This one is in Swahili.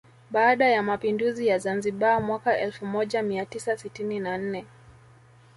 Baada ya mapinduzi ya Zanzibar mwaka elfu moja mia tisa sitini na nne